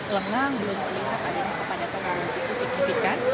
lengang belum terlihat ada yang kepada pengaruh itu signifikan